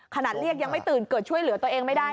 ขนาดเรียกยังไม่ตื่นเกิดช่วยเหลือตัวเองไม่ได้